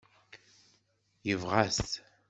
Yebɣa-t?